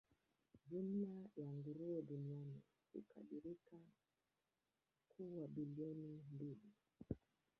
Jumla ya nguruwe duniani hukadiriwa kuwa bilioni mbili.